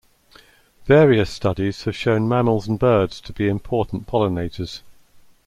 Various studies have shown mammals and birds to be important pollinators.